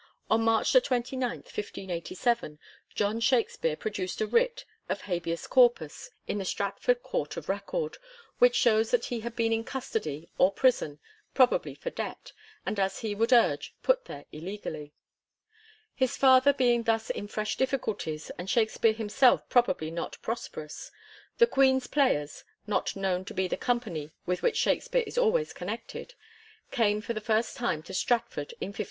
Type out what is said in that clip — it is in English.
On March 29, 1587, John Shakspere pro duced a writ of hdbeaa corpus in the Stratford Court of Record, which shows that he had been in custody or prison, probably for debt, and, as he would ui'ge, put there illegally. His father being thus in fresh difficulties, and Shakspere himself probably not prosperous, "The Queen*s Players "— ^not known to be the company with which Shakspere is always connected — came for the first time to Stratford, in 1587.